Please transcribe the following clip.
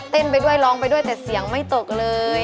ไปด้วยร้องไปด้วยแต่เสียงไม่ตกเลย